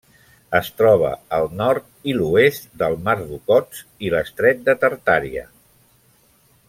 Es troba al nord i l'oest del mar d'Okhotsk i l'estret de Tartària.